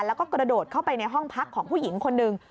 แล้วก็กระโดดเข้าไปในห้องพักของผู้หญิงคนหนึ่ง